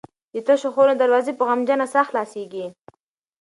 د تشو خونو دروازې په غمجنه ساه خلاصیږي.